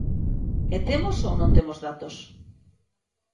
E temos ou non temos datos?